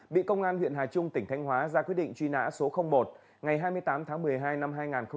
bị công an huyện hà trung tỉnh thanh hóa ra quyết định truy nã số một ngày hai mươi tám tháng một mươi hai năm hai nghìn một mươi ba